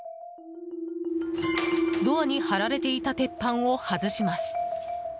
ドアに張られていた鉄板を外します。